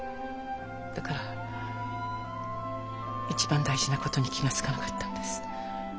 だから一番大事な事に気が付かなかったんです。